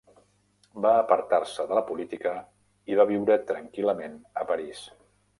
Va apartar-se de la política i va viure tranquil·lament a París.